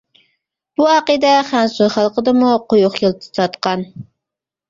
بۇ ئەقىدە خەنزۇ خەلقىدىمۇ قويۇق يىلتىز تارتقان.